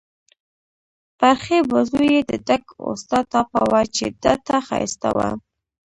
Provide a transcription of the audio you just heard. پر ښي بازو يې د ډک اوسټا ټاپه وه، چې ده ته ښایسته وه.